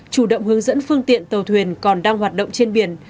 chủ động hướng dẫn phương tiện tàu thuyền còn đang hoạt động trên biển